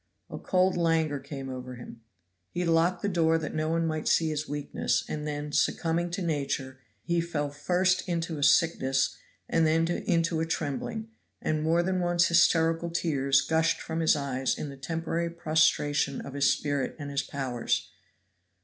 A cold languor came over him. He locked the door that no one might see his weakness, and then, succumbing to nature, he fell first into a sickness and then into a trembling, and more than once hysterical tears gushed from his eyes in the temporary prostration of his spirit and his powers.